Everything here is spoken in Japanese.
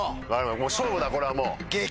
もう勝負だこれはもう。